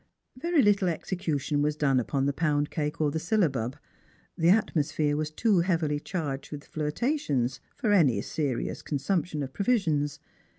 Very little execution was done upon the pound cake or the syllabub. The atmosphere was too heavily charged Avith flirtations for any serious consumption of provisions.